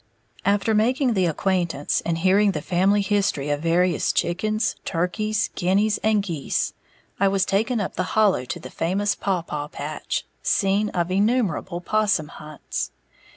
"] After making the acquaintance and hearing the family history of various chickens, turkeys, guineas and geese, I was taken up the hollow to the famous pawpaw patch, scene of innumerable 'possum hunts.